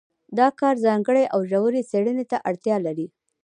دا کار ځانګړې او ژورې څېړنې ته اړتیا لري.